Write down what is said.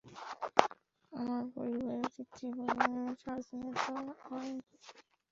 আমার পরিবারের তৃতীয় প্রজন্মের রাজনেতা আমি।